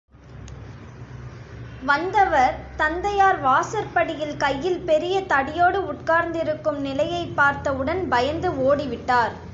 வந்தவர் தந்தையார் வாசற்படியில் கையில் பெரிய தடியோடு உட்கார்ந்திருக்கும் நிலையைப் பார்த்தவுடன் பயந்து ஓடிவிட்டார்.